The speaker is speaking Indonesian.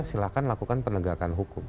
silahkan lakukan penegakan hukum